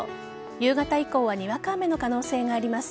夕方以降はにわか雨の可能性があります。